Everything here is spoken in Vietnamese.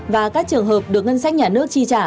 và các trường hợp được ngân sách nhà nước chi trả